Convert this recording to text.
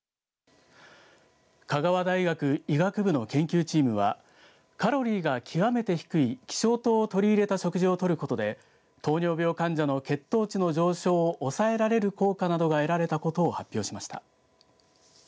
香川大学医学部の研究チームはカロリーが極めて低い希少糖を取り入れた食事をとることで糖尿病患者の血糖値の上昇を抑えられる効果などが得られたことを発表しました。